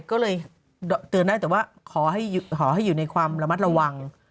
ก็เลยเตือนได้แต่ว่าขอให้อยู่ในความระมัดระวัง